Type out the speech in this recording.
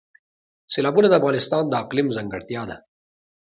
سیلابونه د افغانستان د اقلیم ځانګړتیا ده.